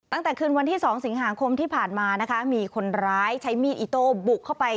ตั้งแต่คืนวันที่๒สิงหาคมที่ผ่านมานะคะมีคนร้ายใช้มีดอิโต้บุกเข้าไป